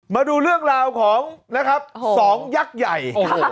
มาดูเรื่องราวของนะครับสองยักษ์ใหญ่